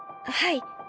はい。